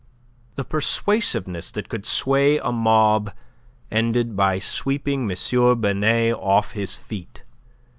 The persuasiveness that could sway a mob ended by sweeping M. Binet off his feet.